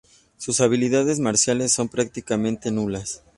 Sus habilidades marciales son prácticamente nulas.